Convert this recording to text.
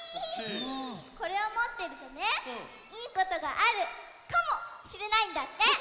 これをもってるとねいいことがあるかもしれないんだって！